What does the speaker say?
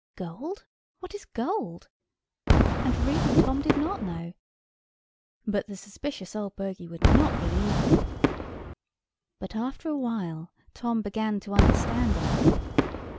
"Gold! What is gold?" And really Tom did not know; but the suspicious old bogy would not believe him. But after a while Tom began to understand a little.